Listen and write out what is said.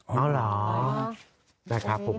อ๋อหรอ